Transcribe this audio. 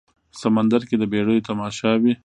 سمندر کې د بیړیو تماشا وي